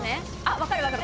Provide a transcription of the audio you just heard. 分かる分かる。